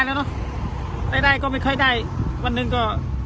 ตั้งแต่ราวสุรินทร์นะ